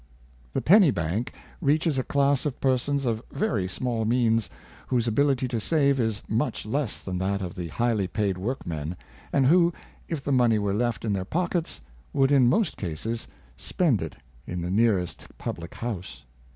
The Denny bank reaches a class of persons of very small means, whose ability to save is much less than 438 Penny Banks, that of the highly paid workmen, and who, if the money were left in their pockets, would in most cases spend it in the nearest public house.